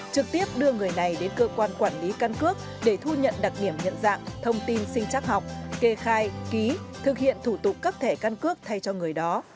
trực tiếp đưa người này đến cơ quan quản lý căn cước để thu nhận đặc điểm nhận dạng thông tin sinh chắc học kê khai ký thực hiện thủ tục cấp thẻ căn cước thay cho người đó